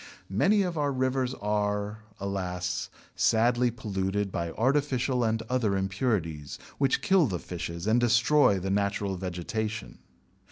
Many of our rivers are, alas, sadly polluted by artificial and other impurities which kill the fishes and destroy the natural vegetation.